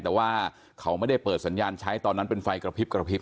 แต่ว่าเขาไม่ได้เปิดสัญญาณใช้ตอนนั้นเป็นไฟกระพริบกระพริบ